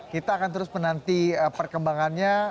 kita akan terus menanti perkembangannya